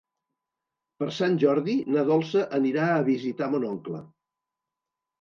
Per Sant Jordi na Dolça anirà a visitar mon oncle.